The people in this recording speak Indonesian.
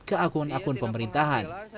ke akun akun pemerintahan